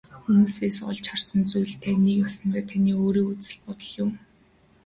Хүмүүсээс олж харсан зүйл тань нэг ёсондоо таны өөрийн үзэл бодол юм.